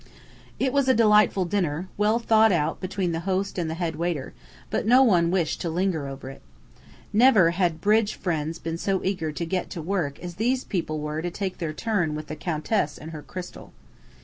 It was a delightful dinner, well thought out between the host and head waiter, but no one wished to linger over it. Never had "bridge fiends" been so eager to "get to work" as these people were to take their turn with the Countess and her crystal.